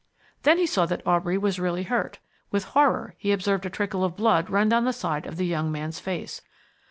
Then he saw that Aubrey was really hurt. With horror he observed a trickle of blood run down the side of the young man's face.